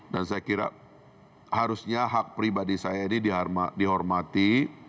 dan saya kira harusnya hak pribadi saya ini dihormati